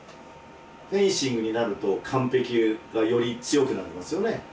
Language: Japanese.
フェンシングになると完璧がより強くなりますよね。